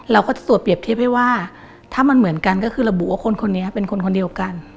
เราก็จะตรวจเปรียบเทียบให้ว่าถ้ามันเหมือนกันก็คือระบุว่าคนคนนี้เป็นคนคนเดียวกัน